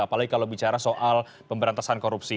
apalagi kalau bicara soal pemberantasan korupsi